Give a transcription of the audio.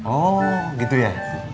oh gitu ya